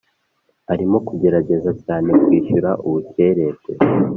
arimo kugerageza cyane kwishyura ubukererwe.